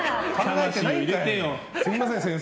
すみません、先生。